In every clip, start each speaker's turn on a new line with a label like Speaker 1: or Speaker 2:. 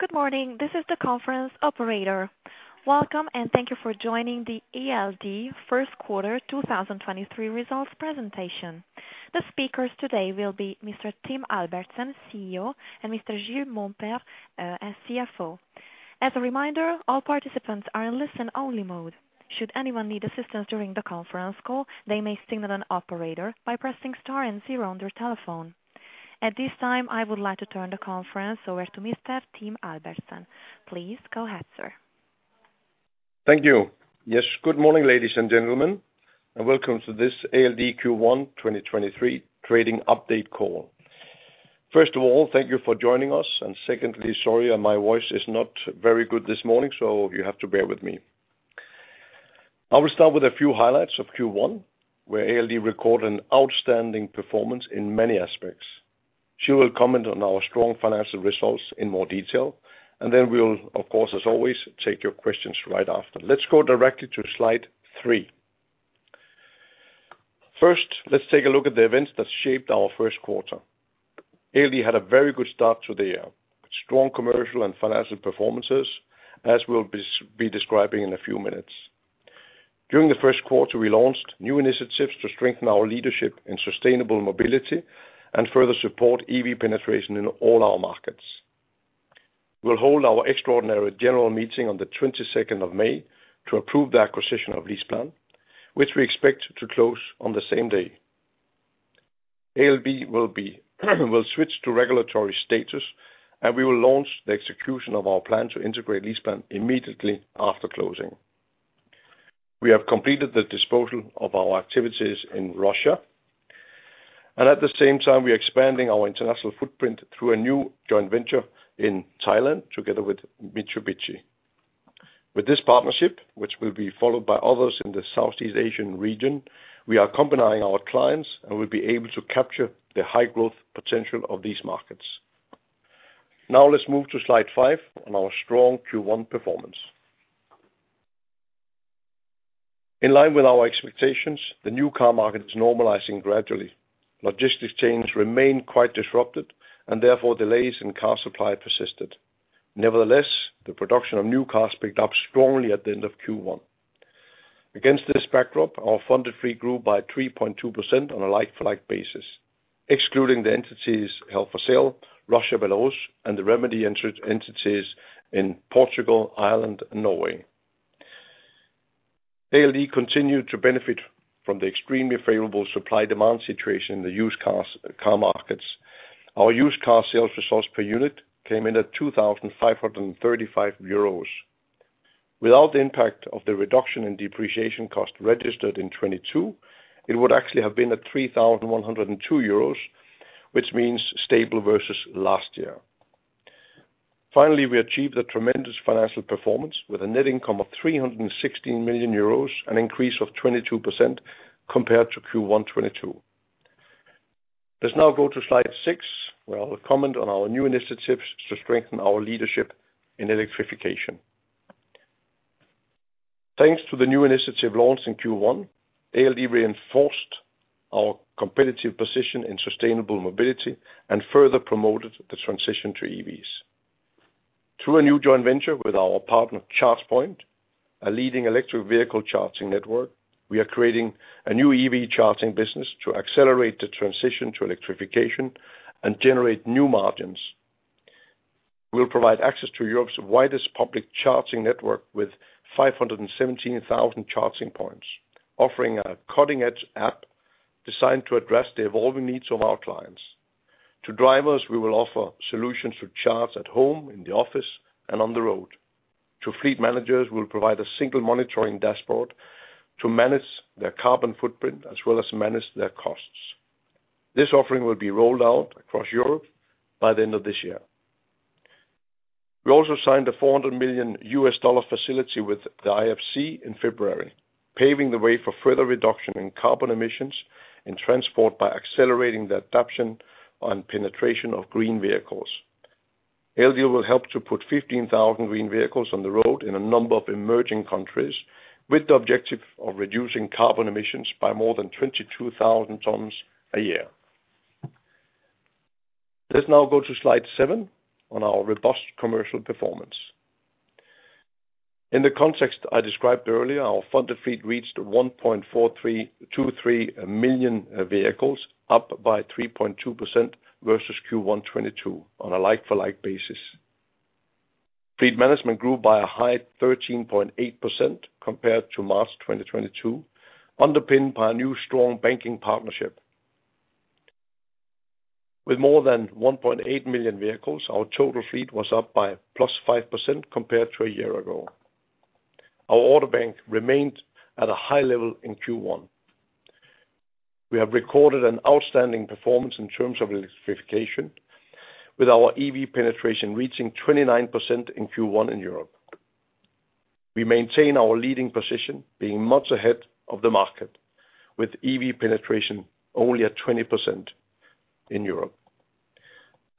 Speaker 1: Good morning. This is the conference operator. Welcome and thank you for joining the ALD Q1 2023 results presentation. The speakers today will be Mr. Tim Albertsen, CEO, and Mr. Gilles Momper, as CFO. As a reminder, all participants are in listen-only mode. Should anyone need assistance during the conference call, they may signal an operator by pressing star and zero on their telephone. At this time, I would like to turn the conference over to Mr. Tim Albertsen. Please go ahead, sir.
Speaker 2: Thank you. Yes, good morning, ladies and gentlemen, welcome to this ALD Q1 2023 trading update call. First of all, thank you for joining us. Secondly, sorry, my voice is not very good this morning, you have to bear with me. I will start with a few highlights of Q1, where ALD recorded an outstanding performance in many aspects. Gilles will comment on our strong financial results in more detail. Then we'll of course, as always, take your questions right after. Let's go directly to slide three. First, let's take a look at the events that shaped our Q1. ALD had a very good start to the year, strong commercial and financial performances, as we'll be describing in a few minutes. During the Q1, we launched new initiatives to strengthen our leadership in sustainable mobility and further support EV penetration in all our markets. We'll hold our extraordinary general meeting on the 22nd of May to approve the acquisition of LeasePlan, which we expect to close on the same day. ALD will switch to regulatory status. We will launch the execution of our plan to integrate LeasePlan immediately after closing. We have completed the disposal of our activities in Russia. At the same time, we are expanding our international footprint through a new joint venture in Thailand together with Mitsubishi. With this partnership, which will be followed by others in the Southeast Asian region, we are accompanying our clients and will be able to capture the high growth potential of these markets. Let's move to slide five on our strong Q1 performance. In line with our expectations, the new car market is normalizing gradually. Logistics chains remain quite disrupted and therefore delays in car supply persisted. Nevertheless, the production of new cars picked up strongly at the end of Q1. Against this backdrop, our funded fleet grew by 3.2% on a like-for-like basis, excluding the entities held for sale, Russia/Belarus, and the remedy entities in Portugal, Ireland, and Norway. ALD continued to benefit from the extremely favorable supply-demand situation in the used car markets. Our used car sales results per unit came in at 2,535 euros. Without the impact of the reduction in depreciation cost registered in 2022, it would actually have been at 3,102 euros, which means stable versus last year. Finally, we achieved a tremendous financial performance with a net income of 316 million euros, an increase of 22% compared to Q1 2022. Let's now go to slide six, where I'll comment on our new initiatives to strengthen our leadership in electrification. Thanks to the new initiative launched in Q1, ALD reinforced our competitive position in sustainable mobility and further promoted the transition to EVs. Through a new joint venture with our partner, ChargePoint, a leading electric vehicle charging network, we are creating a new EV charging business to accelerate the transition to electrification and generate new margins. We'll provide access to Europe's widest public charging network with 517,000 charging points, offering a cutting-edge app designed to address the evolving needs of our clients. To drivers, we will offer solutions to charge at home, in the office, and on the road. To fleet managers, we'll provide a single monitoring dashboard to manage their carbon footprint, as well as manage their costs. This offering will be rolled out across Europe by the end of this year. We also signed a $400 million facility with the IFC in February, paving the way for further reduction in carbon emissions in transport by accelerating the adoption and penetration of green vehicles. ALD will help to put 15,000 green vehicles on the road in a number of emerging countries with the objective of reducing carbon emissions by more than 22,000 tons a year. Let's now go to slide seven on our robust commercial performance. In the context I described earlier, our funded fleet reached 1,432,300 vehicles, up by 3.2% versus Q1 2022 on a like-for-like basis. Fleet management grew by a high 13.8% compared to March 2022, underpinned by a new strong banking partnership. With more than 1,800,000 vehicles, our total fleet was up by +5% compared to a year ago. Our order bank remained at a high level in Q1. We have recorded an outstanding performance in terms of electrification with our EV penetration reaching 29% in Q1 in Europe. We maintain our leading position, being months ahead of the market, with EV penetration only at 20% in Europe.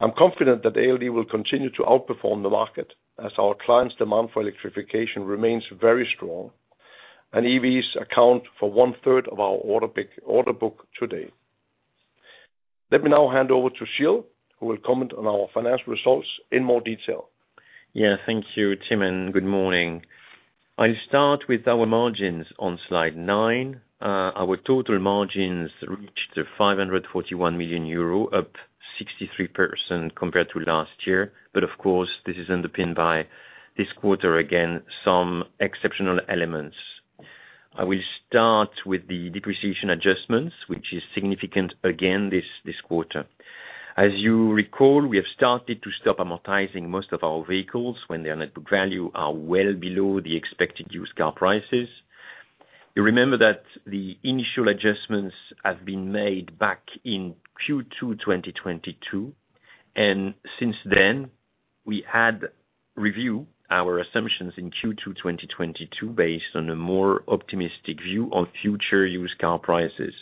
Speaker 2: I'm confident that ALD will continue to outperform the market as our clients' demand for electrification remains very strong, and EVs account for 1/3 of our order book today. Let me now hand over to Gilles, who will comment on our financial results in more detail.
Speaker 3: Yeah, thank you, Tim. Good morning. I'll start with our margins on slide nine. Our total margins reached 541 million euro, up 63% compared to last year. Of course, this is underpinned by this quarter, again, some exceptional elements. I will start with the depreciation adjustments, which is significant again this quarter. As you recall, we have started to stop amortizing most of our vehicles when their net book value are well below the expected used car prices. You remember that the initial adjustments have been made back in Q2 2022, since then, we had review our assumptions in Q2 2022 based on a more optimistic view on future used car prices.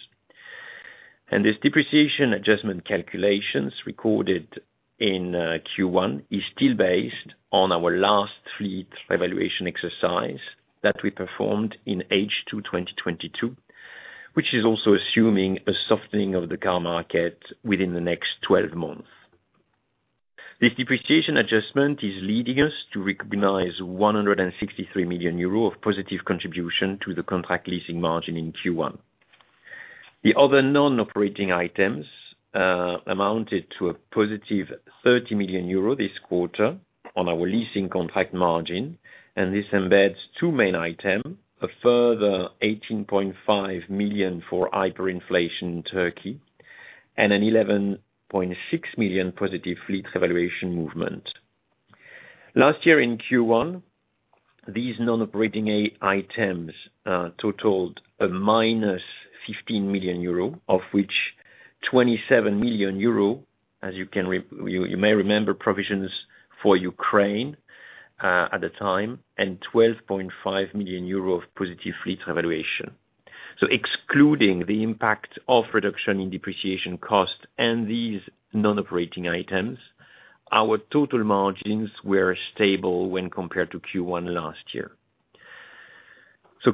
Speaker 3: This depreciation adjustment calculations recorded in Q1 is still based on our last fleet revaluation exercise that we performed in H2 2022, which is also assuming a softening of the car market within the next 12 months. This depreciation adjustment is leading us to recognize 163 million euro of positive contribution to the Leasing contract margin in Q1. The other non-operating items amounted to a positive 30 million euro this quarter on our Leasing contract margin, and this embeds two main item, a further 18.5 million for hyperinflation in Turkey and an 11.6 million positive fleet revaluation movement. Last year in Q1, these non-operating items totaled a minus 15 million euro, of which 27 million euro, as you may remember, provisions for Ukraine at the time, and 12.5 million euro of positive fleet revaluation. Excluding the impact of reduction in depreciation costs and these non-operating items, our total margins were stable when compared to Q1 last year.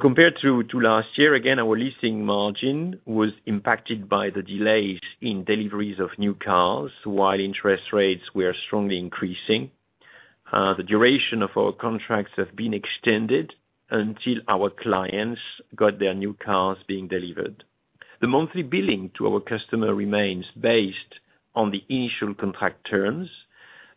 Speaker 3: Compared to last year, again, our leasing margin was impacted by the delays in deliveries of new cars while interest rates were strongly increasing. The duration of our contracts have been extended until our clients got their new cars being delivered. The monthly billing to our customer remains based on the initial contract terms,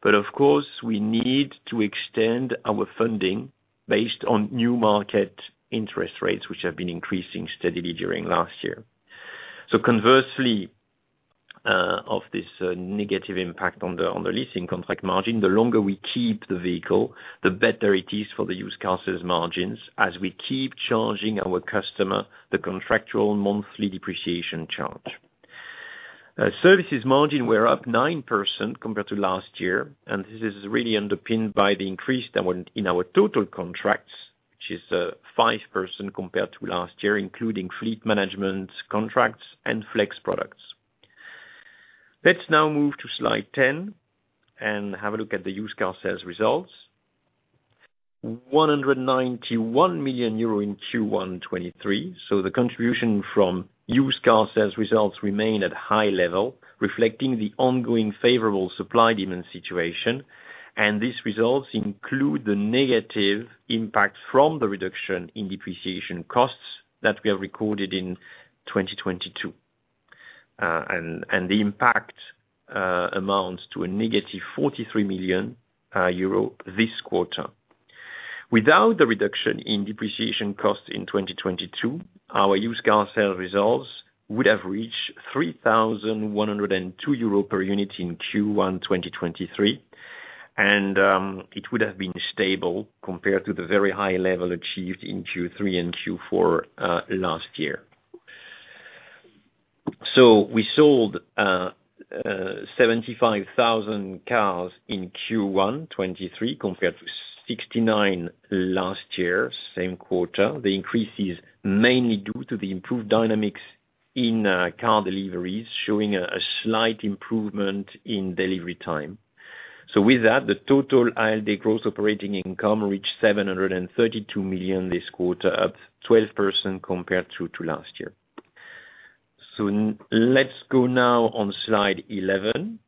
Speaker 3: but of course, we need to extend our funding based on new market interest rates, which have been increasing steadily during last year. Conversely, of this negative impact on the Leasing contract margin, the longer we keep the vehicle, the better it is for the used car sales margins, as we keep charging our customer the contractual monthly depreciation charge. services margin were up 9% compared to last year, and this is really underpinned by the increase in our total contracts, which is 5% compared to last year, including fleet management contracts and flex products. Let's now move to slide 10 and have a look at the used car sales results. 191 million euro in Q1 2023. The contribution from used car sales results remain at high level, reflecting the ongoing favorable supply-demand situation. These results include the negative impact from the reduction in depreciation costs that we have recorded in 2022, and the impact amounts to a negative 43 million euro this quarter. Without the reduction in depreciation costs in 2022, our used car sales results would have reached 3,102 euros per unit in Q1 2023, and it would have been stable compared to the very high level achieved in Q3 and Q4 last year. We sold 75,000 cars in Q1 2023 compared to 69 last year, same quarter. The increase is mainly due to the improved dynamics in car deliveries, showing a slight improvement in delivery time. With that, the total ALD gross operating income reached 732 million this quarter, up 12% compared to last year. Let's go now on slide 11.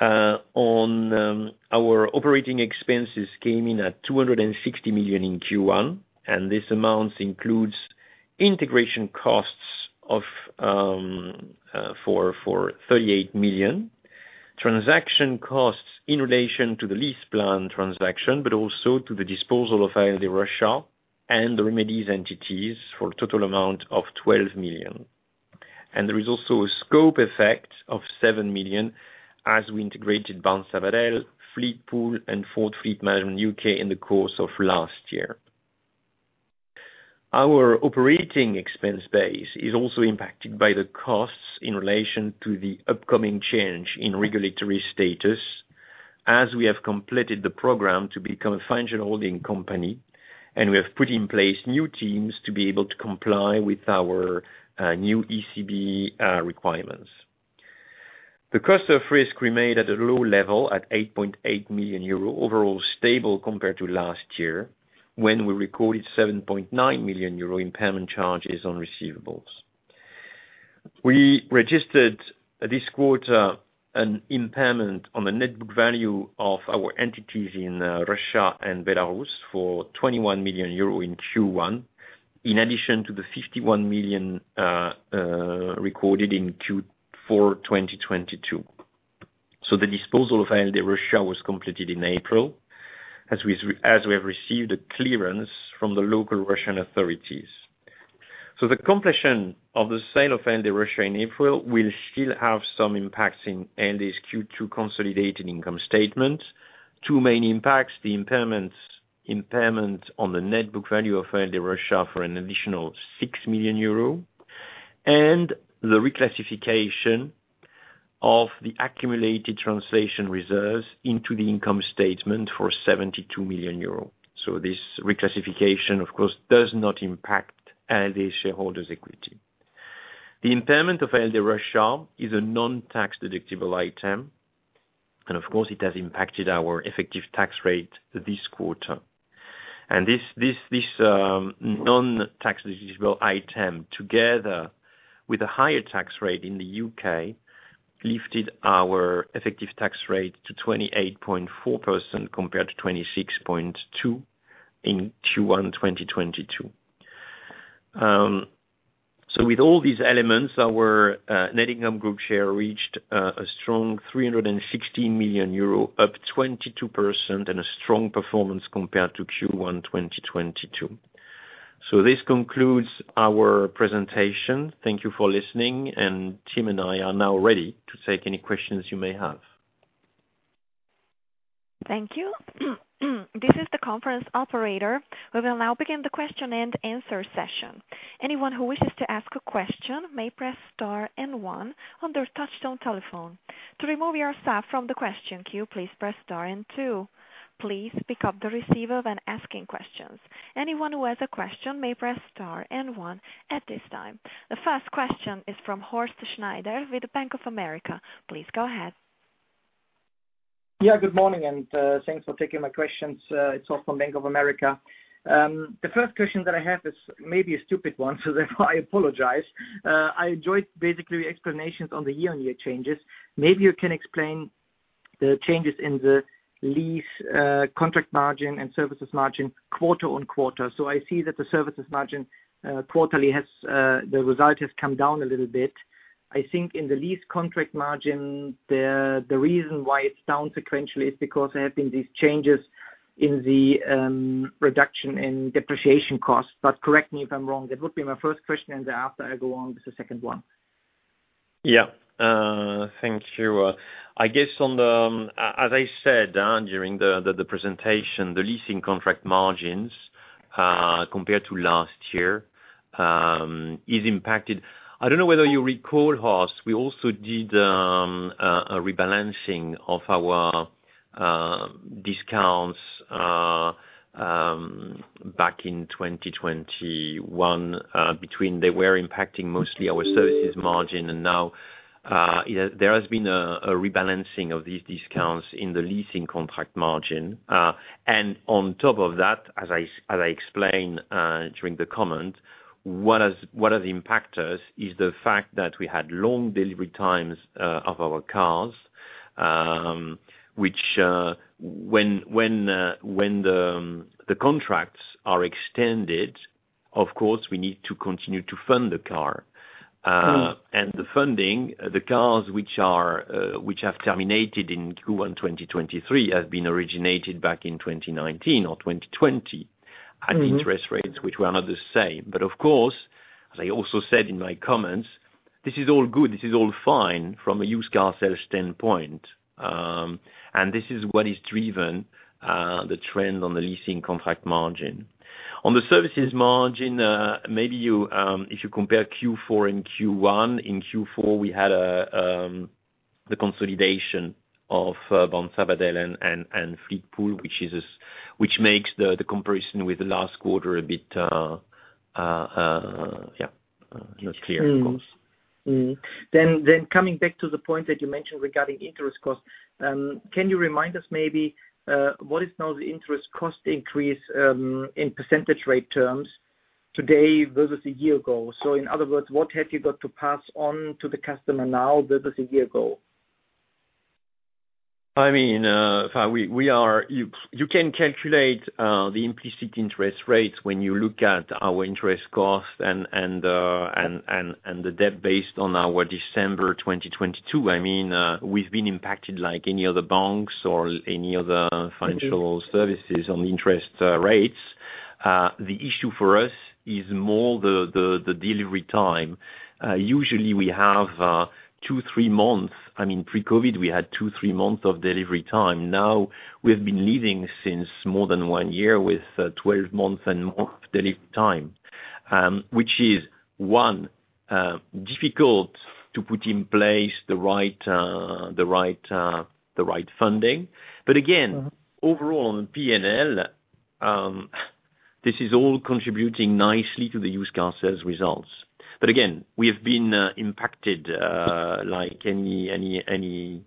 Speaker 3: Our operating expenses came in at 260 million in Q1, and this amount includes integration costs of for 38 million. Transaction costs in relation to the LeasePlan transaction, but also to the disposal of ALD Russia and the remedies entities for a total amount of 12 million. There is also a scope effect of 7 million as we integrated Banco Sabadell, Fleetpool, and Ford Fleet Management U.K. in the course of last year. Our operating expense base is also impacted by the costs in relation to the upcoming change in regulatory status as we have completed the program to become a financial holding company, and we have put in place new teams to be able to comply with our new ECB requirements. The cost of risk remained at a low level at 8.8 million euro, overall stable compared to last year, when we recorded 7.9 million euro impairment charges on receivables. We registered this quarter an impairment on the net book value of our entities in Russia and Belarus for 21 million euro in Q1, in addition to the 51 million recorded in Q4 2022. The disposal of ALD Russia was completed in April, as we have received a clearance from the local Russian authorities. The completion of the sale of ALD Russia in April will still have some impacts in ALD's Q2 consolidated income statement. Two main impacts, the impairment on the net book value of ALD Russia for an additional 6 million euros, and the reclassification of the accumulated translation reserves into the income statement for 72 million euro. This reclassification, of course, does not impact ALD shareholders' equity. The impairment of ALD Russia is a non-tax-deductible item, and of course, it has impacted our effective tax rate this quarter. This non-tax-deductible item, together with a higher tax rate in the U.K., lifted our effective tax rate to 28.4% compared to 26.2% in Q1 2022. With all these elements, our net income group share reached a strong 360 million euro, up 22% and a strong performance compared to Q1 2022. This concludes our presentation. Thank you for listening. Tim and I are now ready to take any questions you may have.
Speaker 1: Thank you. This is the conference operator. We will now begin the question-and-answer session. Anyone who wishes to ask a question may press star one on their touchtone telephone. To remove yourself from the question queue, please press star two. Please pick up the receiver when asking questions. Anyone who has a question may press star one at this time. The first question is from Horst Schneider with Bank of America. Please go ahead.
Speaker 4: Good morning, thanks for taking my questions. It's Horst from Bank of America. The first question that I have is maybe a stupid one, therefore I apologize. I enjoyed basically explanations on the year-on-year changes. Maybe you can explain the changes in the lease contract margin and services margin quarter-on-quarter. I see that the services margin quarterly has the result has come down a little bit. I think in the lease contract margin, the reason why it's down sequentially is because there have been these changes in the reduction in depreciation costs, but correct me if I'm wrong. That would be my first question, after I go on with the second one.
Speaker 3: Yeah, thank you. I guess on the, as I said, during the presentation, the Leasing contract margins, compared to last year, is impacted. I don't know whether you recall, Horst, we also did a rebalancing of our discounts back in 2021, between they were impacting mostly our services margin. Now, you know, there has been a rebalancing of these discounts in the Leasing contract margin. On top of that, as I explained, during the comment, what has impacted us is the fact that we had long delivery times of our cars, which, when the contracts are extended, of course, we need to continue to fund the car.
Speaker 4: Mm-hmm.
Speaker 3: The funding, the cars which are, which have terminated in Q1, 2023, have been originated back in 2019 or 2020.
Speaker 4: Mm-hmm
Speaker 3: At interest rates which were not the same. Of course, as I also said in my comments, this is all good, this is all fine from a used car sales standpoint. And this is what is driven the trend on the leasing contract margin. On the services margin, if you compare Q4 and Q1, in Q4, we had the consolidation of Banco Sabadell and Fleetpool, which makes the comparison with the last quarter a bit, yeah, not clear, of course.
Speaker 4: Coming back to the point that you mentioned regarding interest costs, can you remind us maybe, what is now the interest cost increase, in percentage rate terms today versus a year ago? In other words, what have you got to pass on to the customer now versus a year ago?
Speaker 3: I mean, we are. You can calculate the implicit interest rates when you look at our interest costs and the debt based on our December 2022. I mean, we've been impacted like any other banks or any other financial services on interest rates. The issue for us is more the delivery time. Usually we have two, three months. I mean, pre-COVID, we had two, three months of delivery time. Now, we've been living since more than one year with 12 months and more of delivery time, which is, one, difficult to put in place the right funding. But again-
Speaker 4: Mm-hmm
Speaker 3: Overall on P&L. This is all contributing nicely to the used car sales results. Again, we have been impacted like any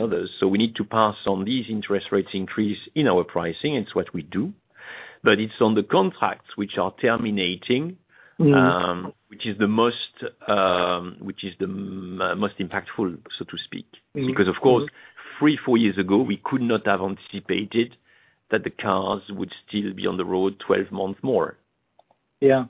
Speaker 3: others. We need to pass on these interest rates increase in our pricing. It's what we do. It's on the contracts which are terminating...
Speaker 4: Mm-hmm.
Speaker 3: Which is the most impactful, so to speak.
Speaker 4: Mm-hmm.
Speaker 3: Of course, three, four years ago, we could not have anticipated that the cars would still be on the road 12 months more.
Speaker 4: Yeah.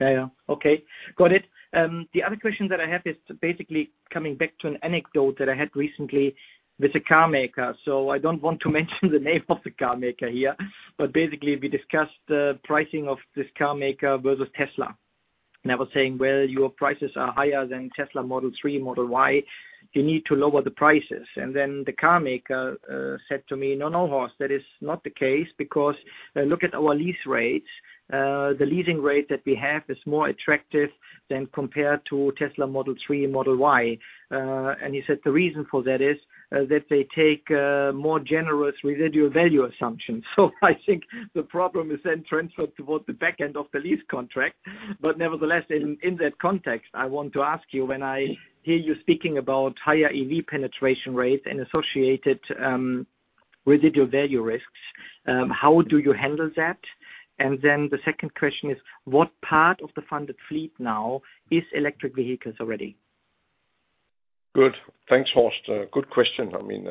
Speaker 4: Okay. Got it. The other question that I have is basically coming back to an anecdote that I had recently with a carmaker. I don't want to mention the name of the carmaker here, but basically, we discussed the pricing of this carmaker versus Tesla. I was saying, "Well, your prices are higher than Tesla Model 3, Model Y. You need to lower the prices." The carmaker said to me, "No, no, Horst, that is not the case, because look at our lease rates. The leasing rate that we have is more attractive than compared to Tesla Model 3, Model Y." He said the reason for that is that they take more generous residual value assumptions. I think the problem is then transferred towards the back end of the lease contract. Nevertheless, in that context, I want to ask you, when I hear you speaking about higher EV penetration rates and associated residual value risks, how do you handle that? The second question is, what part of the funded fleet now is electric vehicles already?
Speaker 2: Good. Thanks, Horst. Good question. I mean,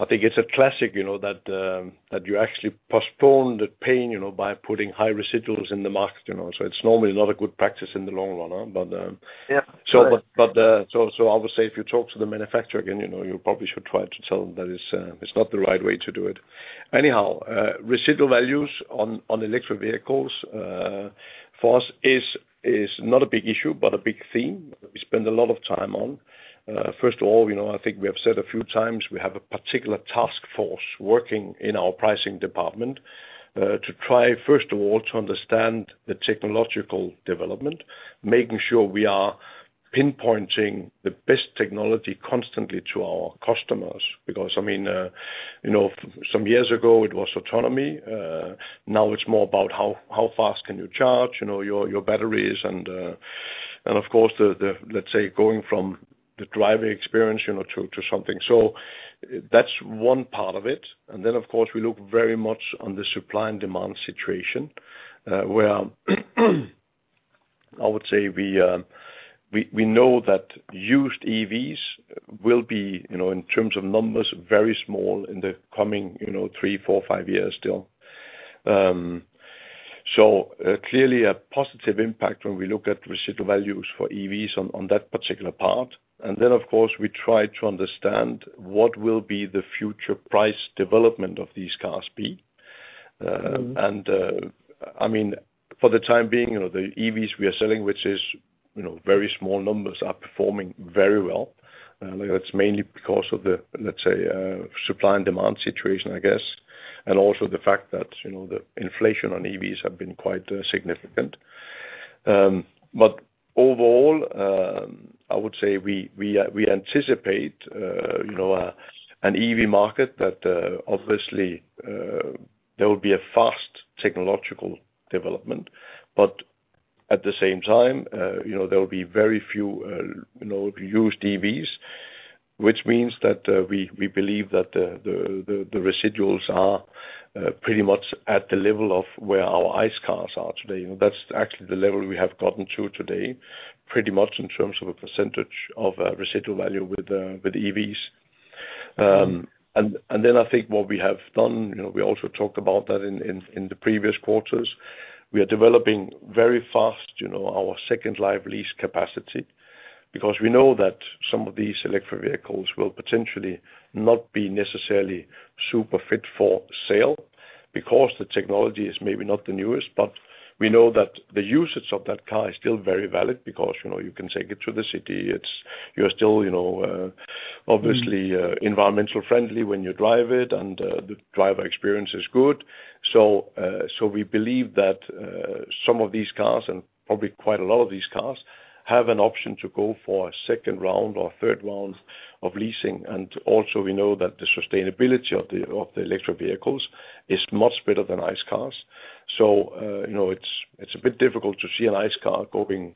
Speaker 2: I think it's a classic, you know, that you actually postpone the pain, you know, by putting high residuals in the market, you know? It's normally not a good practice in the long run, but...
Speaker 4: Yeah.
Speaker 2: I would say if you talk to the manufacturer again, you know, you probably should try to tell them that it's not the right way to do it. Anyhow, residual values on electric vehicles, for us is not a big issue, but a big theme that we spend a lot of time on. First of all, you know, I think we have said a few times, we have a particular task force working in our pricing department, to try, first of all, to understand the technological development, making sure we are pinpointing the best technology constantly to our customers. I mean, you know, some years ago, it was autonomy, now it's more about how fast can you charge, you know, your batteries and of course, the, let's say, going from the driving experience, you know, to something. That's one part of it. Of course, we look very much on the supply and demand situation, where, I would say we know that used EVs will be, you know, in terms of numbers, very small in the coming, you know, three, four, five years still. Clearly a positive impact when we look at residual values for EVs on that particular part. Of course, we try to understand what will be the future price development of these cars be.
Speaker 4: Mm-hmm.
Speaker 2: I mean, for the time being, you know, the EVs we are selling, which is, you know, very small numbers, are performing very well. That's mainly because of the, let's say, supply and demand situation, I guess, and also the fact that, you know, the inflation on EVs have been quite significant. Overall, I would say we anticipate an EV market that obviously there will be a fast technological development, but at the same time, you know, there will be very few, you know, used EVs, which means that we believe that the residuals are pretty much at the level of where our ICE cars are today. That's actually the level we have gotten to today, pretty much in terms of a percentage of residual value with EVs. Then I think what we have done, you know, we also talked about that in the previous quarters, we are developing very fast, you know, our Second Life Lease capacity because we know that some of these electric vehicles will potentially not be necessarily super fit for sale because the technology is maybe not the newest, but we know that the usage of that car is still very valid because, you know, you can take it to the city. You're still, you know, obviously, environmental friendly when you drive it, and the driver experience is good. We believe that some of these cars, and probably quite a lot of these cars, have an option to go for a second round or third round of leasing. We know that the sustainability of the electric vehicles is much better than ICE cars. You know, it's a bit difficult to see an ICE car going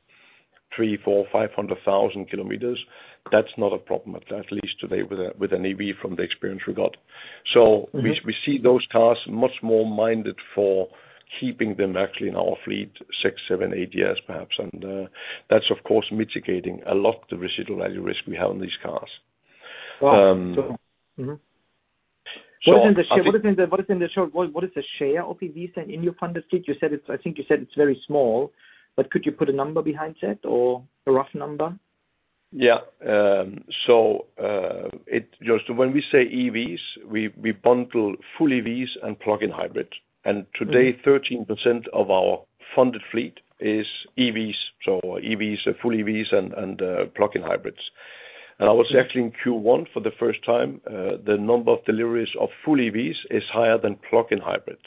Speaker 2: 300,000, 400,000, 500,000 KM. That's not a problem, at least today with an EV from the experience we got.
Speaker 4: Mm-hmm.
Speaker 2: We see those cars much more minded for keeping them actually in our fleet six, seven, eight years perhaps. That's of course mitigating a lot the residual value risk we have on these cars.
Speaker 4: Wow. What is the share of EVs in your funded fleet? I think you said it's very small, but could you put a number behind that or a rough number?
Speaker 2: Horst, when we say EVs, we bundle full EVs and plug-in hybrid.
Speaker 4: Mm-hmm.
Speaker 2: Today, 13% of our funded fleet is EVs. EVs are full EVs and plug-in hybrids. I was actually in Q1 for the first time, the number of deliveries of full EVs is higher than plug-in hybrids.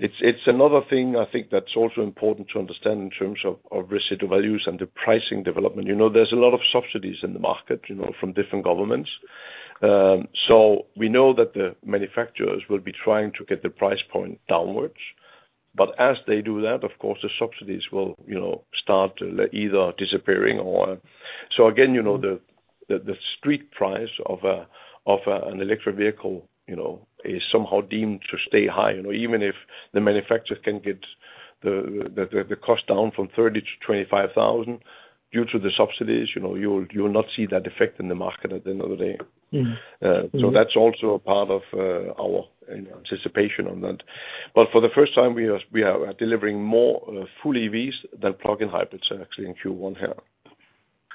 Speaker 2: It's another thing I think that's also important to understand in terms of residual values and the pricing development. You know, there's a lot of subsidies in the market, you know, from different governments. We know that the manufacturers will be trying to get the price point downwards. As they do that, of course, the subsidies will, you know, start either disappearing or. Again, you know, the street price of an electric vehicle, you know, is somehow deemed to stay high. You know, even if the manufacturers can get the cost down from 30,000 to 25,000 due to the subsidies, you know, you will not see that effect in the market at the end of the day.
Speaker 5: Mm-hmm.
Speaker 2: That's also a part of our anticipation on that. For the first time, we are delivering more full EVs than plug-in hybrids actually in Q1 here.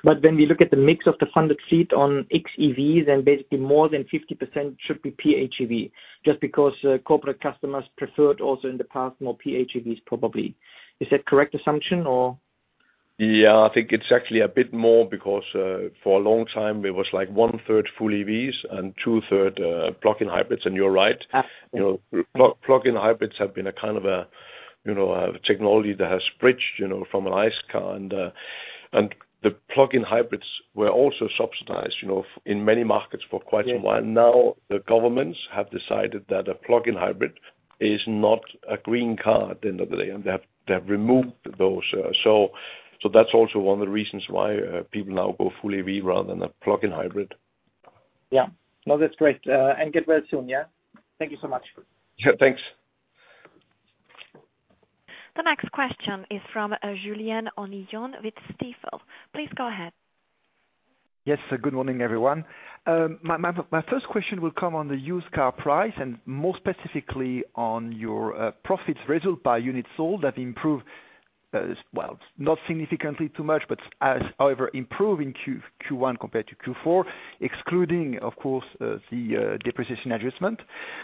Speaker 4: When we look at the mix of the funded fleet on xEVs and basically more than 50% should be PHEV, just because corporate customers preferred also in the past more PHEVs probably. Is that correct assumption or?
Speaker 2: Yeah, I think it's actually a bit more because, for a long time it was like 1/3 full EVs and 2/3, plug-in hybrids. You're right. You know, plug-in hybrids have been a kind of a, you know, a technology that has bridged, you know, from an ICE car and the plug-in hybrids were also subsidized, you know, in many markets for quite some time.
Speaker 4: Yeah.
Speaker 2: The governments have decided that a plug-in hybrid is not a green car at the end of the day, and they have removed those. That's also one of the reasons why people now go full EV rather than a plug-in hybrid.
Speaker 4: Yeah. No, that's great. Get well soon, yeah? Thank you so much.
Speaker 2: Yeah, thanks.
Speaker 1: The next question is from Julien Onillon with Stifel. Please go ahead.
Speaker 6: Yes. Good morning, everyone. My first question will come on the used car price and more specifically on your profits result by units sold that improved, well, not significantly too much, but as however, improved in Q1 compared to Q4, excluding, of course, the depreciation adjustment.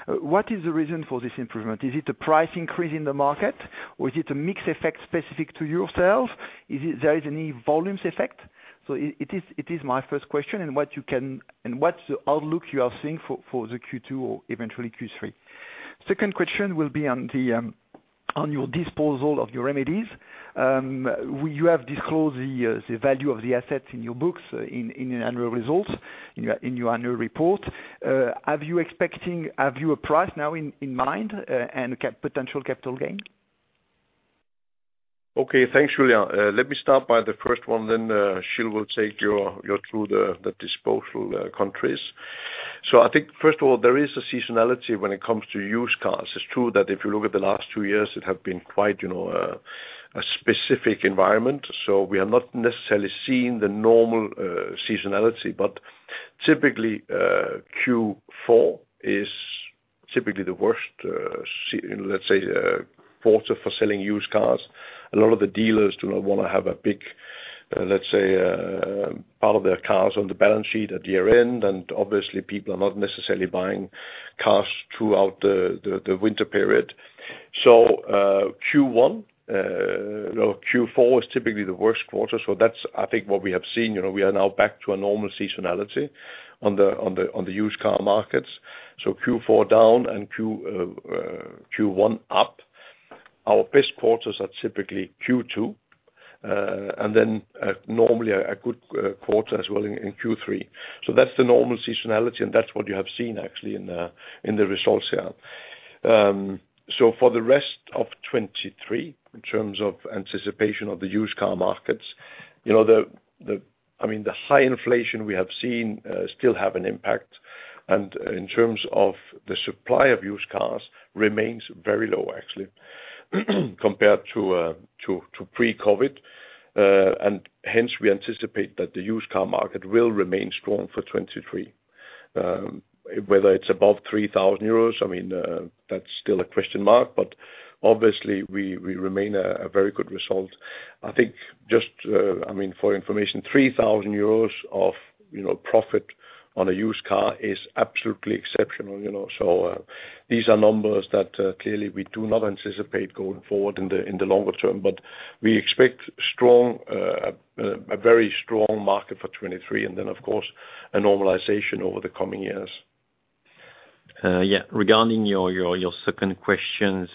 Speaker 6: What is the reason for this improvement? Is it a price increase in the market, or is it a mix effect specific to yourself? Is it there is any volumes effect? It is my first question what's the outlook you are seeing for the Q2 or eventually Q3? Second question will be on the on your disposal of your remedies. You have disclosed the value of the assets in your books in your annual results, in your annual report. Are you expecting, have you a price now in mind, and potential capital gain?
Speaker 2: Okay. Thanks, Julien. Let me start by the first one then, Gilles will take you through the disposal countries. I think first of all, there is a seasonality when it comes to used cars. It's true that if you look at the last two years, it has been quite, you know, a specific environment. We have not necessarily seen the normal seasonality, but typically, Q4 is typically the worst let's say, quarter for selling used cars. A lot of the dealers do not wanna have a big, let's say, part of their cars on the balance sheet at year-end, and obviously people are not necessarily buying cars throughout the winter period. Q1, no, Q4 is typically the worst quarter. That's I think what we have seen. You know, we are now back to a normal seasonality on the used car markets. Q4 down and Q1 up. Our best quarters are typically Q2, normally a good quarter as well in Q3. That's the normal seasonality, and that's what you have seen actually in the results here. For the rest of 2023, in terms of anticipation of the used car markets, you know, the, I mean, the high inflation we have seen still have an impact. In terms of the supply of used cars remains very low, actually, compared to pre-COVID. Hence we anticipate that the used car market will remain strong for 2023. Whether it's above 3,000 euros, that's still a question mark, obviously we remain a very good result. I think just for information, 3,000 euros of profit on a used car is absolutely exceptional. These are numbers that clearly we do not anticipate going forward in the longer term, we expect strong, a very strong market for 2023 and then of course, a normalization over the coming years.
Speaker 3: Yeah. Regarding your second questions,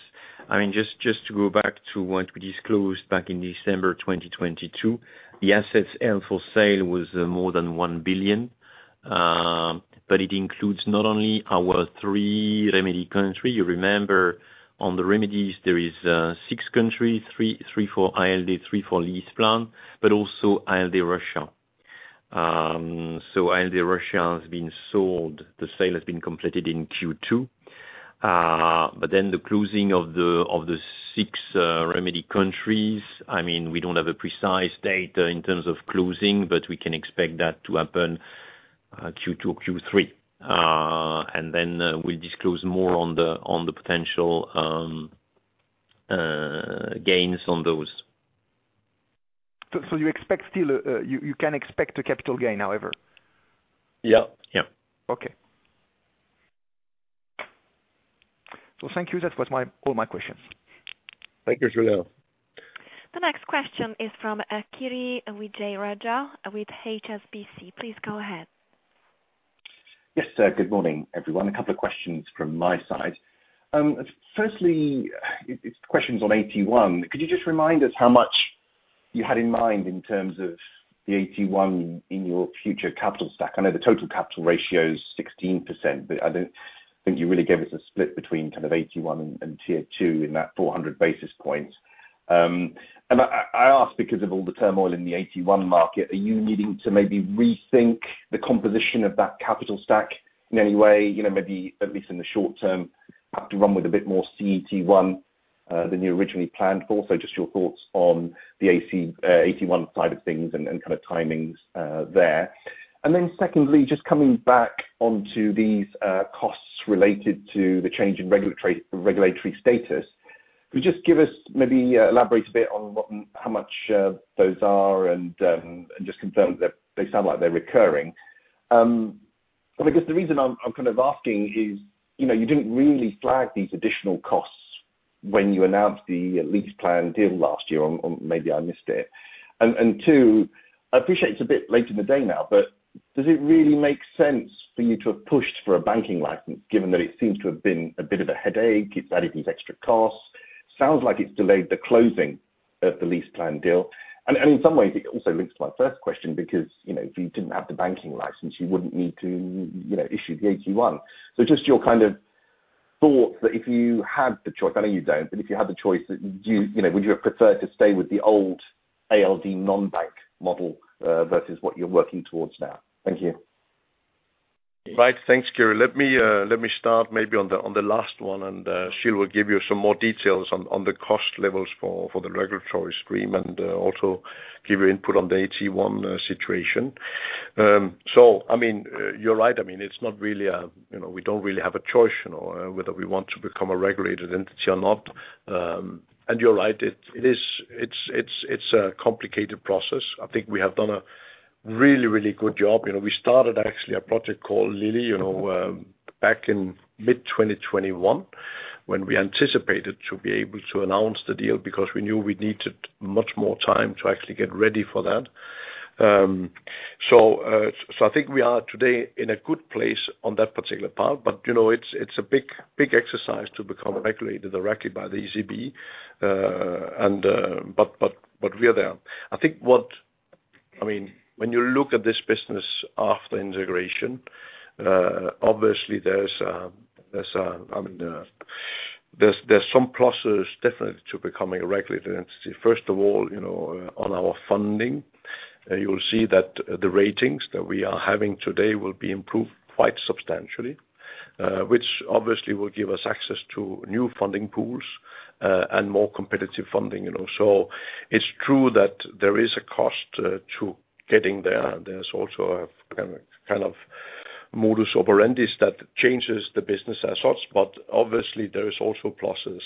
Speaker 3: I mean, just to go back to what we disclosed back in December 2022, the assets held for sale was more than 1 billion. It includes not only our three remedy country. You remember on the remedies there is six countries, three for ALD, three for LeasePlan, but also ALD Russia. ALD Russia has been sold. The sale has been completed in Q2. The closing of the six remedy countries, I mean, we don't have a precise date in terms of closing, but we can expect that to happen Q2, Q3. We'll disclose more on the potential gains on those.
Speaker 6: You expect still, you can expect a capital gain, however?
Speaker 2: Yeah. Yeah.
Speaker 6: Okay. Thank you. That was all my questions.
Speaker 2: Thank you, Julien.
Speaker 1: The next question is from Kiri Vijayarajah with HSBC. Please go ahead.
Speaker 7: Yes, good morning, everyone. A couple of questions from my side. Firstly, it's questions on AT1. Could you just remind us how much you had in mind in terms of the AT1 in your future capital stack? I know the total capital ratio is 16%, but I don't think you really gave us a split between kind of AT1 and Tier 2 in that 400 basis points. I ask because of all the turmoil in the AT1 market, are you needing to maybe rethink the composition of that capital stack in any way? You know, maybe at least in the short term, have to run with a bit more CET1 than you originally planned. Also, just your thoughts on the AT1 side of things and kind of timings there. Secondly, just coming back onto these costs related to the change in regulatory status. Could you just give us, maybe elaborate a bit on what, how much those are and just confirm that they sound like they're recurring. I guess the reason I'm kind of asking is, you know, you didn't really flag these additional costs when you announced the LeasePlan deal last year, or maybe I missed it. Two, I appreciate it's a bit late in the day now, but does it really make sense for you to have pushed for a banking license, given that it seems to have been a bit of a headache? It's added these extra costs. Sounds like it's delayed the closing of the LeasePlan deal. In some ways, it also links to my first question, because, you know, if you didn't have the banking license, you wouldn't need to, you know, issue the AT1. Just your kind of thoughts that if you had the choice, I know you don't, but if you had the choice that you know, would you have preferred to stay with the old ALD non-bank model, versus what you're working towards now? Thank you.
Speaker 2: Right. Thanks, Kiri. Let me start maybe on the last one, and Gilles will give you some more details on the cost levels for the regulatory stream, and also give you input on the AT1 situation. I mean, you're right. I mean, it's not really a, you know, we don't really have a choice, you know, whether we want to become a regulated entity or not. You're right. It is, it's a complicated process. I think we have done a really, really good job. You know, we started actually a project called Lily, you know, back in mid-2021, when we anticipated to be able to announce the deal because we knew we needed much more time to actually get ready for that. I think we are today in a good place on that particular part. You know, it's a big exercise to become regulated directly by the ECB. We are there. I mean, when you look at this business after integration, obviously, there's some pluses definitely to becoming a regulated entity. First of all, you know, on our funding, you'll see that the ratings that we are having today will be improved quite substantially, which obviously will give us access to new funding pools and more competitive funding, you know. It's true that there is a cost to getting there. There's also a kind of modus operandi that changes the business as such, obviously, there is also pluses.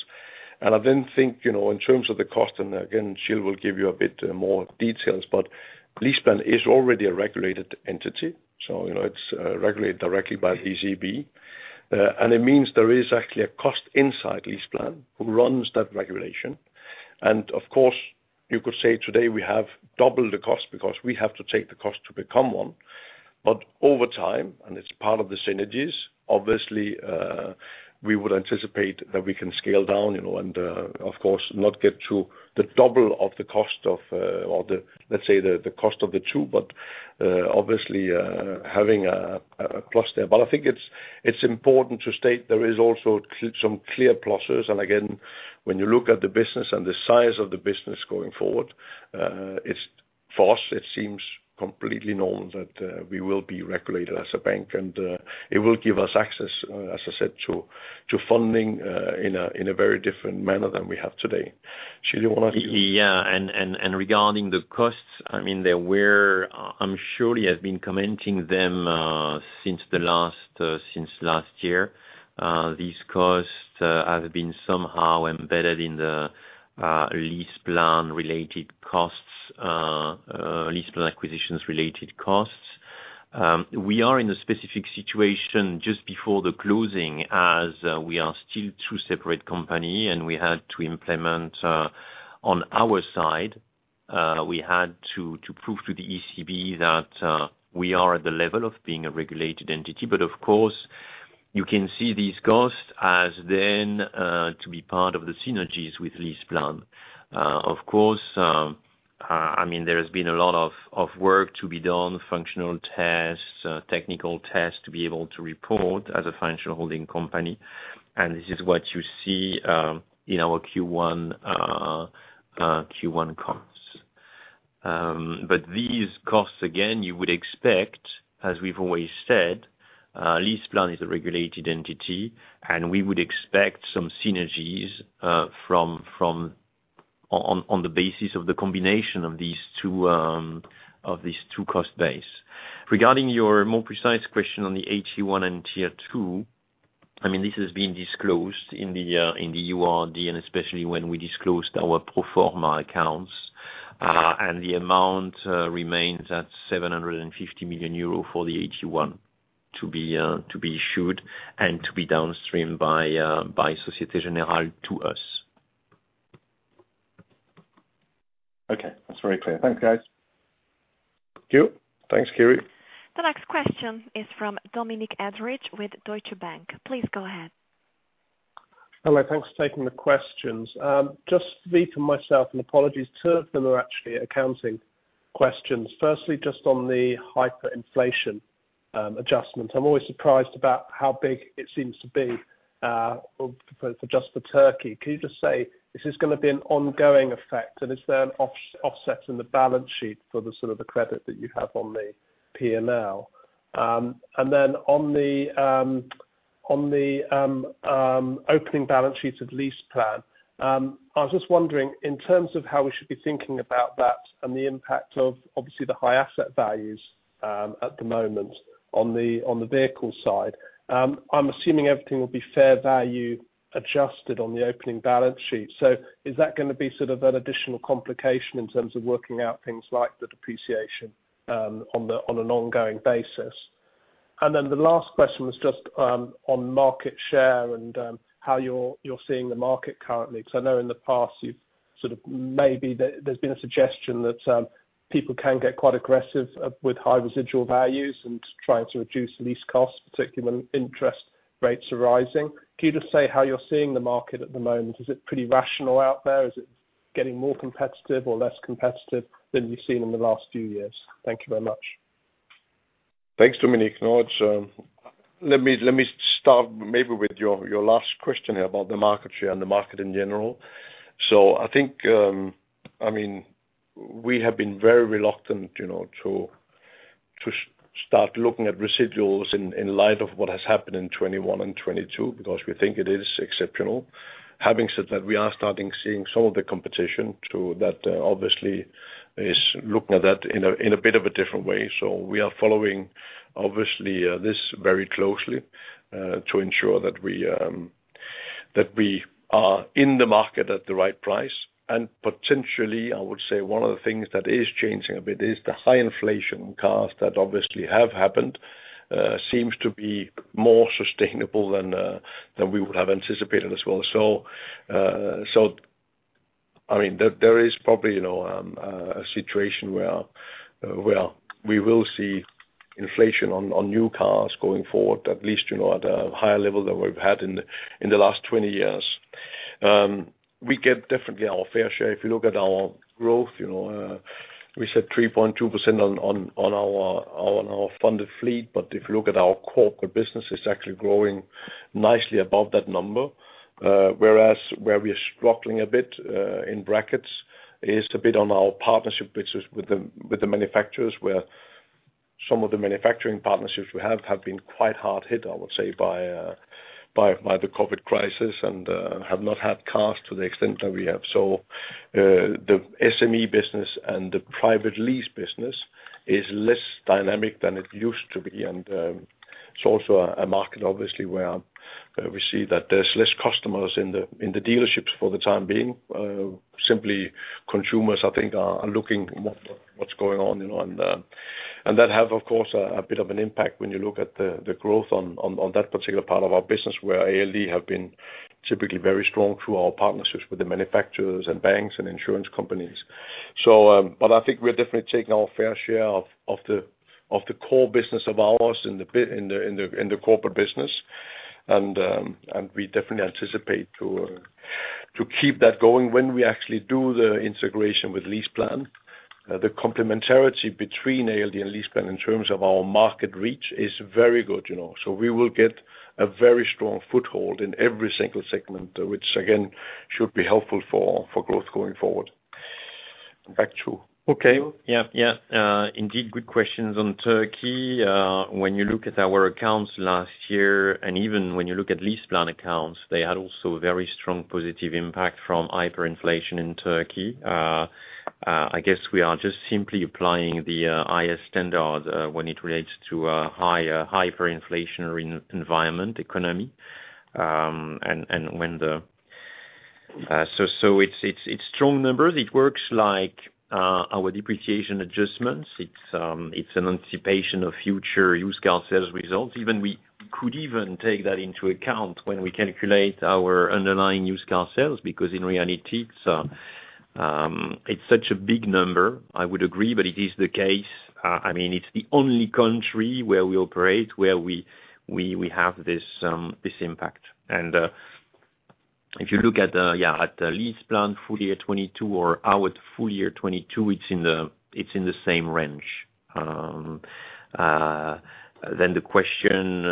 Speaker 2: I then think, you know, in terms of the cost, and again, Gilles will give you a bit more details, but LeasePlan is already a regulated entity, so you know, it's regulated directly by the ECB. It means there is actually a cost inside LeasePlan who runs that regulation. Of course, you could say today we have double the cost because we have to take the cost to become one. Over time, and it's part of the synergies, obviously, we would anticipate that we can scale down, you know, and of course, not get to the double of the cost of or the let's say the cost of the two, but obviously having a plus there. I think it's important to state there is also some clear pluses. Again, when you look at the business and the size of the business going forward, it's, for us, it seems completely normal that we will be regulated as a bank. It will give us access as I said, to funding, in a very different manner than we have today. Gilles, you wanna.
Speaker 3: Yeah. Regarding the costs, I mean, I'm sure he has been commenting them since the last since last year. These costs have been somehow embedded in the LeasePlan related costs, LeasePlan acquisitions related costs. We are in a specific situation just before the closing, as we are still two separate company, and we had to implement on our side, we had to prove to the ECB that we are at the level of being a regulated entity. Of course, you can see these costs as then to be part of the synergies with LeasePlan. Of course, I mean, there has been a lot of work to be done, functional tests, technical tests to be able to report as a financial holding company, and this is what you see in our Q1, Q1 costs. These costs, again, you would expect, as we've always said, LeasePlan is a regulated entity, and we would expect some synergies from on the basis of the combination of these two of these two cost base. Regarding your more precise question on the AT1 and Tier 2, I mean, this has been disclosed in the URD, and especially when we disclosed our pro forma accounts. The amount remains at 750 million euro for the AT1 to be issued and to be downstream by Société Générale to us.
Speaker 7: Okay. That's very clear. Thanks, guys.
Speaker 2: Thank you. Thanks, Kiri.
Speaker 1: The next question is from Dominic Etheridge with Deutsche Bank. Please go ahead.
Speaker 8: Hello. Thanks for taking the questions. Just three from myself, apologies, two of them are actually accounting questions. Firstly, just on the hyperinflation adjustment. I'm always surprised about how big it seems to be for just for Turkey. Can you just say if this is gonna be an ongoing effect, and is there an offset in the balance sheet for the sort of the credit that you have on the P&L? Then on the opening balance sheet of LeasePlan, I was just wondering in terms of how we should be thinking about that and the impact of obviously the high asset values at the moment on the vehicle side, I'm assuming everything will be fair value adjusted on the opening balance sheet. Is that gonna be sort of an additional complication in terms of working out things like the depreciation on an ongoing basis? The last question was just on market share and how you're seeing the market currently, because I know in the past you've sort of maybe there's been a suggestion that people can get quite aggressive with high residual values and trying to reduce lease costs, particularly when interest rates are rising. Can you just say how you're seeing the market at the moment? Is it pretty rational out there? Is it getting more competitive or less competitive than you've seen in the last few years? Thank you very much.
Speaker 2: Thanks, Dominic. No, it's, let me, let me start maybe with your last question here about the market share and the market in general. I think, I mean, we have been very reluctant, you know, to start looking at residuals in light of what has happened in 2021 and 2022 because we think it is exceptional. Having said that, we are starting seeing some of the competition too, that obviously is looking at that in a, in a bit of a different way. We are following obviously, this very closely, to ensure that we, that we are in the market at the right price. Potentially, I would say one of the things that is changing a bit is the high inflation costs that obviously have happened, seems to be more sustainable than we would have anticipated as well. I mean, there is probably, you know, a situation where we will see inflation on new cars going forward, at least, you know, at a higher level than we've had in the last 20 years. We get definitely our fair share. If you look at our growth, you know, we said 3.2% on our funded fleet, but if you look at our corporate business, it's actually growing nicely above that number. Whereas where we are struggling a bit, in brackets, is a bit on our partnership business with the manufacturers, where some of the manufacturing partnerships we have been quite hard hit, I would say, by the COVID crisis and have not had cars to the extent that we have. The SME business and the private lease business is less dynamic than it used to be. It's also a market obviously where we see that there's less customers in the dealerships for the time being. Simply consumers I think are looking what's going on, you know. That have of course, a bit of an impact when you look at the growth on that particular part of our business where ALD have been typically very strong through our partnerships with the manufacturers and banks and insurance companies. I think we are definitely taking our fair share of the core business of ours in the corporate business. We definitely anticipate to keep that going when we actually do the integration with LeasePlan. The complementarity between ALD and LeasePlan in terms of our market reach is very good, you know. We will get a very strong foothold in every single segment, which again, should be helpful for growth going forward. Back to you.
Speaker 3: Okay. Yeah, yeah. Indeed, good questions on Turkey. When you look at our accounts last year, and even when you look at LeasePlan accounts, they had also very strong positive impact from hyperinflation in Turkey. I guess we are just simply applying the IAS 29 when it relates to a higher hyperinflationary environment economy. It's strong numbers. It works like our depreciation adjustments. It's anticipation of future used car sales results. Even we could even take that into account when we calculate our underlying used car sales because in reality it's such a big number, I would agree, but it is the case. I mean, it's the only country where we operate, where we have this impact. If you look at LeasePlan full year 2022 or our full year 2022, it's in the same range. The question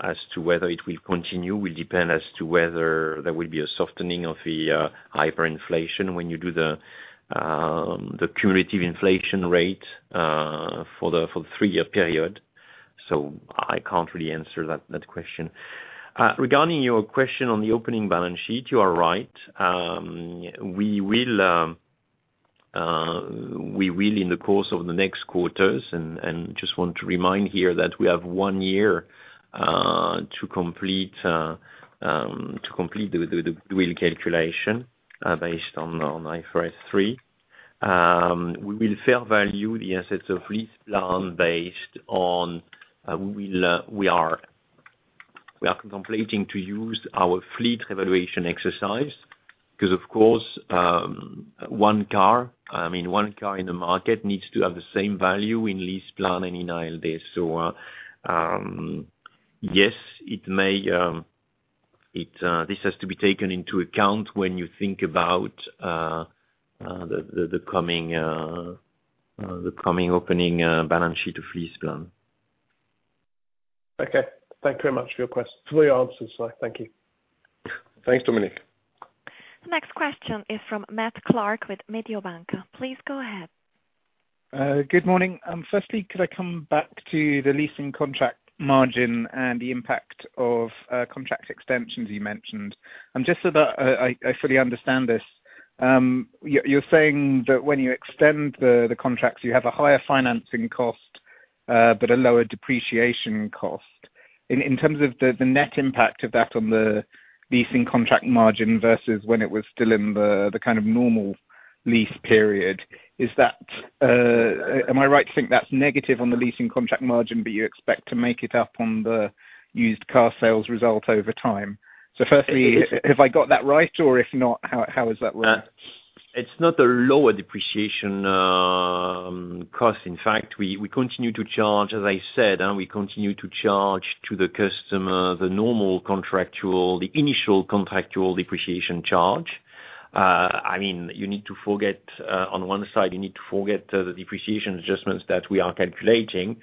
Speaker 3: as to whether it will continue will depend as to whether there will be a softening of the hyperinflation when you do the cumulative inflation rate for the three-year period. I can't really answer that question. Regarding your question on the opening balance sheet, you are right. We will in the course of the next quarters, and just want to remind here that we have one year to complete the real calculation based on IFRS 3. We will fair value the assets of LeasePlan. We are completing to use our fleet evaluation exercise because, of course, one car, I mean, one car in the market needs to have the same value in LeasePlan and in ALD. Yes, it may, this has to be taken into account when you think about the coming opening balance sheet of LeasePlan.
Speaker 8: Okay. Thank you very much for your answers. Thank you.
Speaker 3: Thanks, Dominic.
Speaker 1: The next question is from Matt Clark with Mediobanca. Please go ahead.
Speaker 9: Good morning. Firstly, could I come back to the leasing contract margin and the impact of contract extensions you mentioned? Just so that I fully understand this, you're saying that when you extend the contracts, you have a higher financing cost, but a lower depreciation cost. In terms of the net impact of that on the leasing contract margin versus when it was still in the kind of normal lease period, is that, am I right to think that's negative on the leasing contract margin that you expect to make it up on the used car sales result over time? Firstly, have I got that right? If not, how does that work?
Speaker 3: It's not a lower depreciation cost. In fact, we continue to charge, as I said, and we continue to charge to the customer the normal contractual, the initial contractual depreciation charge. I mean, you need to forget on one side, you need to forget the depreciation adjustments that we are calculating,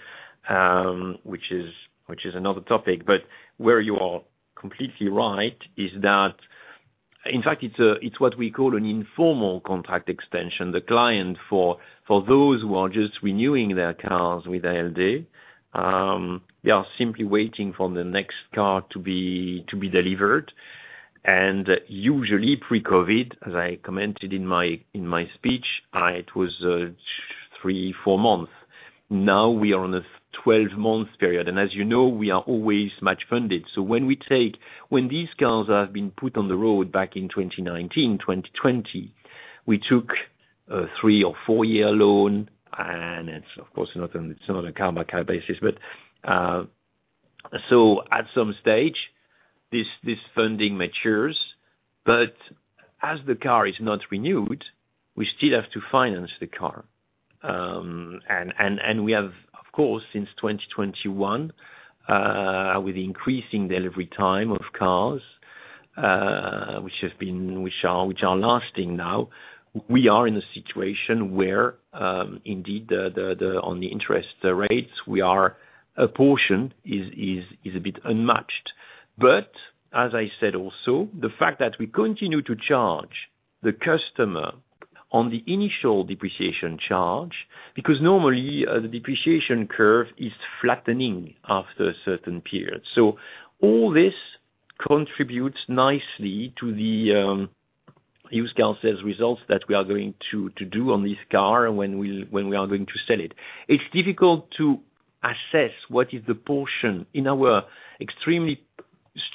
Speaker 3: which is another topic. Where you are completely right is that, in fact, it's what we call an informal contract extension. The client for those who are just renewing their cars with ALD, they are simply waiting for the next car to be delivered. Usually pre-COVID, as I commented in my speech, it was three, four months. Now we are on a 12-month period. As you know, we are always much funded. When these cars have been put on the road back in 2019, 2020, we took a three or four-year loan, and it's of course not on a car by car basis. At some stage, this funding matures, but as the car is not renewed, we still have to finance the car. And we have, of course, since 2021, with increasing delivery time of cars, which are lasting now, we are in a situation where, indeed the, on the interest rates, we are, a portion is a bit unmatched. As I said also, the fact that we continue to charge the customer on the initial depreciation charge, because normally, the depreciation curve is flattening after a certain period. All this contributes nicely to the used car sales results that we are going to do on this car when we are going to sell it. It's difficult to assess what is the portion. In our extremely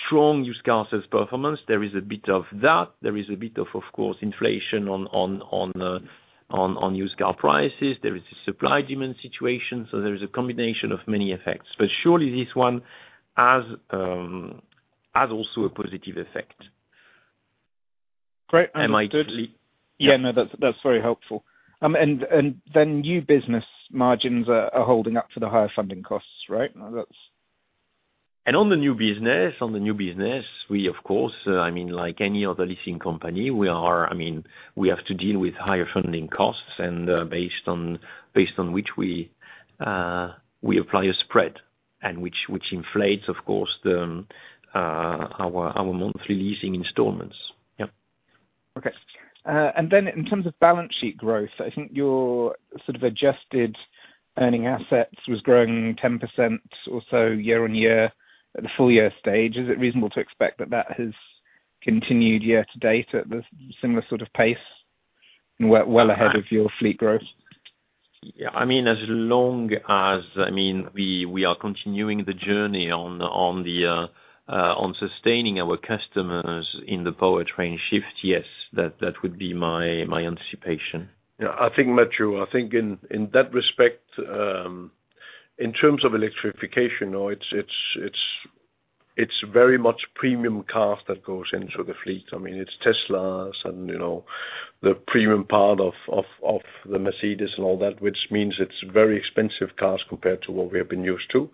Speaker 3: strong used car sales performance, there is a bit of that. There is a bit of course, inflation on used car prices. There is a supply demand situation. There is a combination of many effects. Surely this one has also a positive effect.
Speaker 9: Great Understood.
Speaker 3: Am I clear?
Speaker 9: Yeah. No, that's very helpful. New business margins are holding up for the higher funding costs, right? That's...
Speaker 3: On the new business, we of course, I mean, like any other leasing company, we are, I mean, we have to deal with higher funding costs and, based on which we apply a spread and which inflates, of course, the, our monthly leasing installments. Yep.
Speaker 9: Okay. In terms of balance sheet growth, I think your sort of adjusted earning assets was growing 10% or so year-on-year at the full year stage. Is it reasonable to expect that that has continued year-to-date at a similar sort of pace and well, well ahead of your fleet growth?
Speaker 3: Yeah. I mean, as long as, I mean, we are continuing the journey on the sustaining our customers in the powertrain shift, yes. That would be my anticipation.
Speaker 2: Yeah. I think, Matthew, I think in that respect, in terms of electrification, you know, it's very much premium cars that goes into the fleet. I mean, it's Teslas and, you know, the premium part of the Mercedes and all that, which means it's very expensive cars compared to what we have been used to.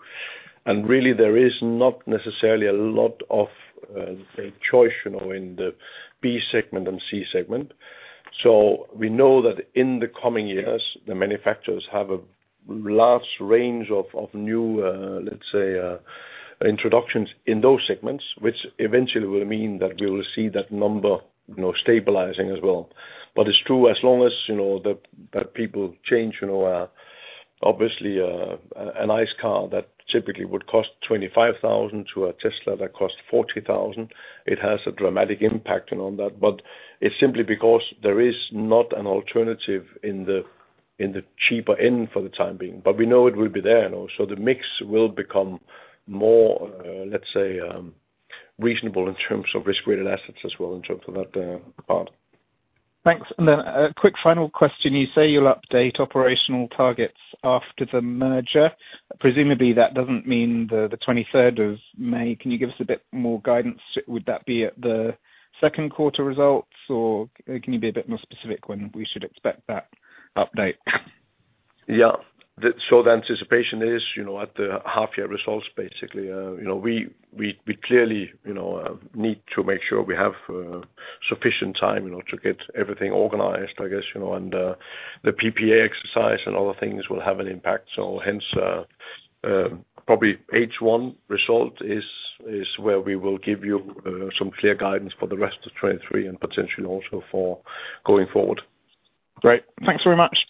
Speaker 2: Really, there is not necessarily a lot of, say, choice, you know, in the B segment and C segment. We know that in the coming years, the manufacturers have a large range of new, let's say, introductions in those segments, which eventually will mean that we will see that number, you know, stabilizing as well. It's true, as long as, you know, the people change, you know, obviously, an ICE car that typically would cost 25,000 to a Tesla that cost 40,000, it has a dramatic impact, you know, on that. It's simply because there is not an alternative in the, in the cheaper end for the time being. We know it will be there, you know. The mix will become more, let's say, Reasonable in terms of risk-weighted assets as well, in terms of that, part.
Speaker 9: Thanks. Then a quick final question. You say you'll update operational targets after the merger. Presumably, that doesn't mean the 23rd of May. Can you give us a bit more guidance? Would that be at the Q2 results, or can you be a bit more specific when we should expect that update?
Speaker 2: Yeah. The anticipation is, you know, at the half-year results, basically. You know, we clearly, you know, need to make sure we have sufficient time, you know, to get everything organized, I guess, you know. The PPA exercise and other things will have an impact. Hence, probably H1 result is where we will give you some clear guidance for the rest of 2023, and potentially also for going forward.
Speaker 9: Great. Thanks very much.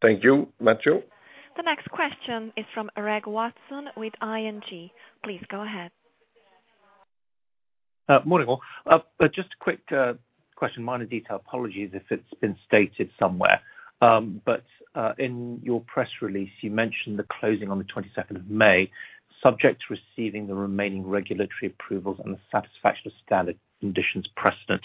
Speaker 2: Thank you, Matthew.
Speaker 1: The next question is from Reg Watson with ING. Please go ahead.
Speaker 10: Morning all. Just a quick question, minor detail. Apologies if it's been stated somewhere. In your press release, you mentioned the closing on the 22nd of May, subject to receiving the remaining regulatory approvals and the satisfaction of standard conditions precedent.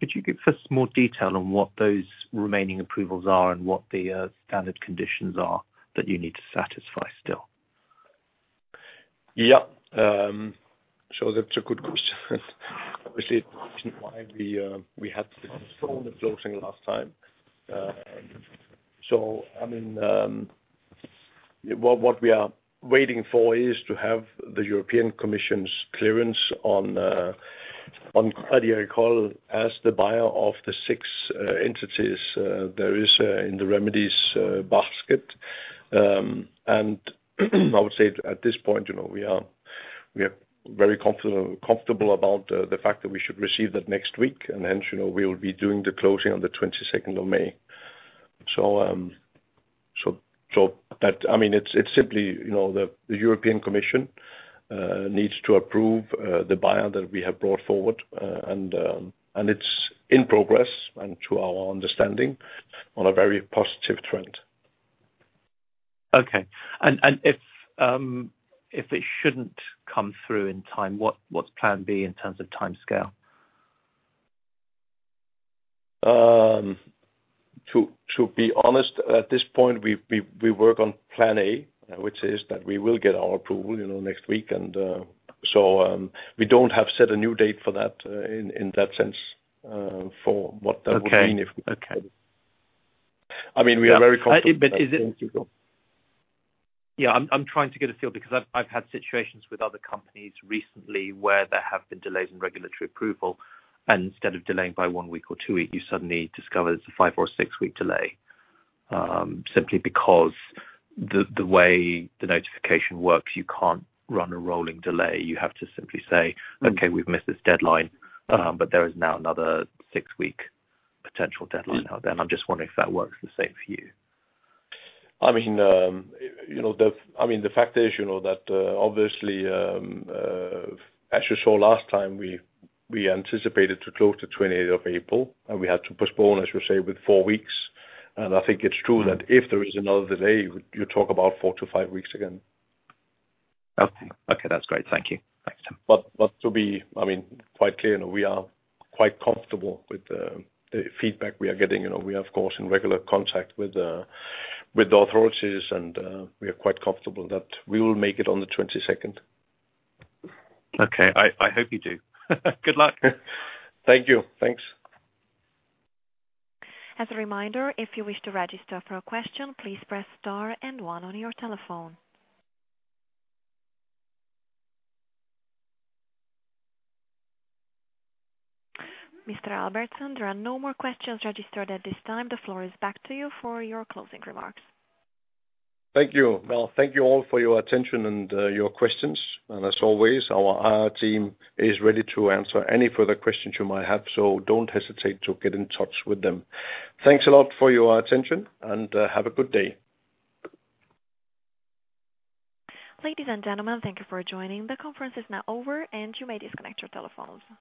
Speaker 10: Could you give us more detail on what those remaining approvals are and what the standard conditions are that you need to satisfy still?
Speaker 2: Yeah. That's a good question. Obviously, the reason why we had to postpone the closing last time. I mean, what we are waiting for is to have the European Commission's clearance on Crédit Agricole as the buyer of the six entities there is in the remedies basket. I would say at this point, you know, we are very comfortable about the fact that we should receive that next week. Hence, you know, we will be doing the closing on the 22nd of May. I mean, it's simply, you know, the European Commission needs to approve the buyer that we have brought forward. It's in progress and to our understanding, on a very positive trend.
Speaker 10: Okay. And if it shouldn't come through in time, what's plan B in terms of timescale?
Speaker 2: To be honest, at this point, we work on plan A, which is that we will get our approval, you know, next week. We don't have set a new date for that, in that sense, for what that would mean.
Speaker 10: Okay.
Speaker 2: I mean, we are very confident.
Speaker 10: Is it.
Speaker 2: Go.
Speaker 10: Yeah, I'm trying to get a feel because I've had situations with other companies recently where there have been delays in regulatory approval, and instead of delaying by one week or two weeks, you suddenly discover it's a five or six-week delay. Simply because the way the notification works, you can't run a rolling delay. You have to simply say.
Speaker 2: Mm.
Speaker 10: Okay, we've missed this deadline, but there is now another six-week potential deadline out there. I'm just wondering if that works the same for you.
Speaker 2: I mean, you know, I mean, the fact is, you know, that obviously, as you saw last time, we anticipated to close the 28th of April, and we had to postpone, as you say, with four weeks. I think it's true that if there is another delay, you talk about four to five weeks again.
Speaker 10: Okay. Okay, that's great. Thank you. Thanks, Tim.
Speaker 2: To be, I mean, quite clear, you know, we are quite comfortable with the feedback we are getting. You know, we are of course in regular contact with the authorities and we are quite comfortable that we will make it on the 22nd.
Speaker 10: Okay. I hope you do. Good luck.
Speaker 2: Thank you. Thanks.
Speaker 1: As a reminder, if you wish to register for a question, please press star and one on your telephone. Mr. Albertsen, there are no more questions registered at this time. The floor is back to you for your closing remarks.
Speaker 2: Thank you. Well, thank you all for your attention and your questions. As always, our IR team is ready to answer any further questions you might have, so don't hesitate to get in touch with them. Thanks a lot for your attention, and have a good day.
Speaker 1: Ladies and gentlemen, thank you for joining. The conference is now over, and you may disconnect your telephones.